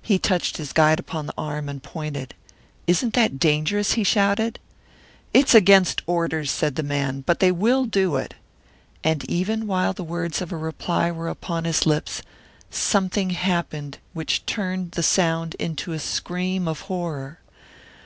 He touched his guide upon the arm and pointed. "Isn't that dangerous?" he shouted. "It's against orders," said the man. "But they will do it." And even while the words of a reply were upon his lips, something happened which turned the sound into a scream of horror.